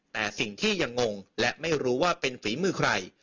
แต่สิ่งที่ยังงงและไม่รู้ว่าเป็นฝีมือใคร